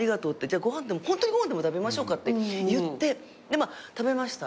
じゃあご飯でもホントにご飯でも食べましょうかって言って食べました。